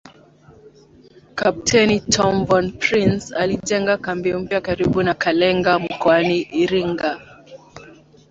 Kapteni Tom von Prince alijenga kambi mpya karibu na Kalenga mkoani Iringa